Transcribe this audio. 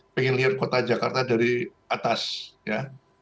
pengen lihat kota jakarta dari atas ya